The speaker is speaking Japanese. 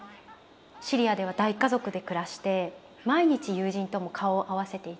シリアでは大家族で暮らして毎日友人とも顔を合わせていた。